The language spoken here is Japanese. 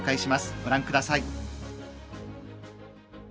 ご覧ください。